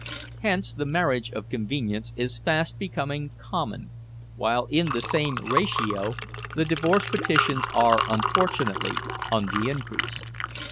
Hence the marriage of convenience is fast becoming common, while in the same ratio the divorce petitions are unfortunately on the increase.